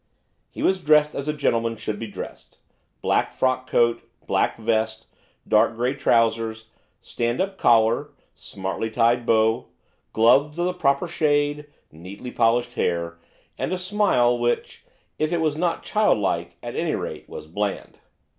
He was dressed as a gentleman should be dressed, black frock coat, black vest, dark grey trousers, stand up collar, smartly tied bow, gloves of the proper shade, neatly brushed hair, and a smile, which if was not childlike, at any rate was bland.